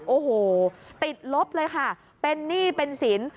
โอ้โหติดลบเลยค่ะเป็นหนี้เป็นสิน